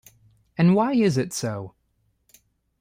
And why is it so?